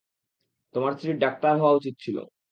তোমার স্ত্রীর ডাক্তার হওয়া উচিত ছিল!